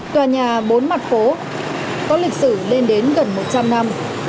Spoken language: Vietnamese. tòa nhà bốn mặt phố có lịch sử lên đến gần một trăm linh năm